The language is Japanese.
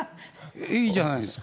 いいじゃないですか。